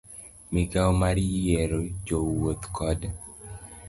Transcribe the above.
Migawo mar Yiero Jowuoth kod